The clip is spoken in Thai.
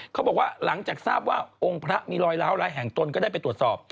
เขาบอกว่าหลังจากทราบว่าองค์พระมีรอยล้าวร้ายแห่งตนก็ได้ไปตรวจสอบ